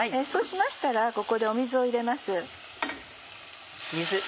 そうしましたらここでお水を入れます。